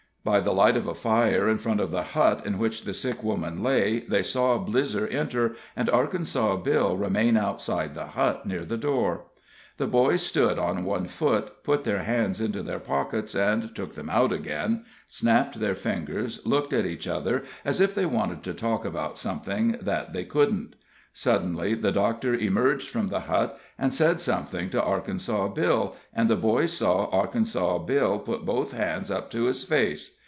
By the light of a fire in front of the hut in which the sick woman lay, they saw Blizzer enter, and Arkansas Bill remain outside the hut, near the door. The boys stood on one foot, put their hands into their pockets and took them out again, snapped their fingers, and looked at each other, as if they wanted to talk about something that they couldn't. Suddenly the doctor emerged from the hut, and said something to Arkansas Bill, and the boys saw Arkansas Bill put both hands up to his face.